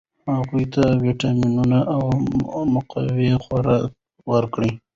هغوی ته ویټامینونه او مقوي خواړه ورکړئ.